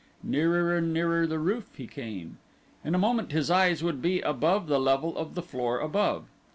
Nearer and nearer the roof he came. In a moment his eyes would be above the level of the floor above.